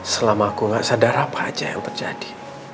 selama aku gak sadar apa aja yang terjadi